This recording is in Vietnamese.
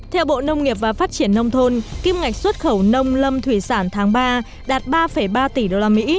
kim ngạch xuất khẩu nông lâm thủy sản tháng ba đạt ba ba tỷ usd